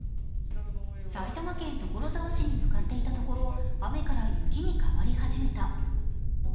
埼玉県所沢市に向かっていたところ、雨から雪に変わり始めた。